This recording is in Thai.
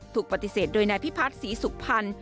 ถูกปฏิเสธโดยนายพิพัฒน์ศรีสุพรรณ